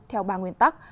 theo ba nguyên tắc